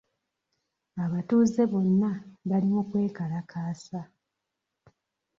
Abatuuze bonna bali mu kwekalakaasa.